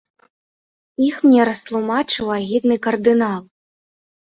Іх мне растлумачыў агідны кардынал.